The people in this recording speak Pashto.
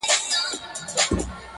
یار اخیستی همېشه د ښکلو ناز دی-